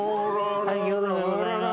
ありがとうございます！